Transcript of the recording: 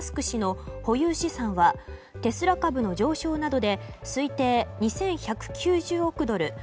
氏の保有資産はテスラ株の上昇など推定２１９０億ドル